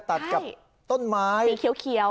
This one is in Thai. ตัดกับต้นไม้สีเขียว